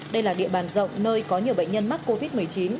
đây là địa bàn rộng nơi có nhiều bệnh nhân mắc covid một mươi chín